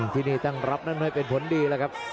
ที่นี่ตั้งรับนั้นไม่เป็นผลดีแล้วครับ